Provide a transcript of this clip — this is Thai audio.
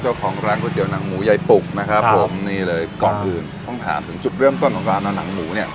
เจ้าของร้านก๋วยเตี๋หนังหมูยายปุกนะครับผมนี่เลยก่อนอื่นต้องถามถึงจุดเริ่มต้นของการเอาหนังหมูเนี่ย